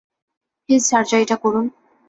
Please সার্জারিটা করুন।